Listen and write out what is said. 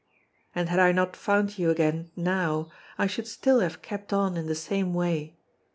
And had I not found you again now I should still have kept on in the same way.